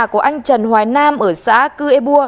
của anh trần hoài nam ở xã cư ê bua